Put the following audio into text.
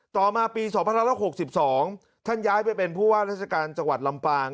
ต่อมาปี๒๑๖๒ท่านย้ายไปเป็นผู้ว่าราชการจังหวัดลำปาง